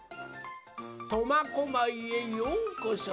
苫小牧へようこそ！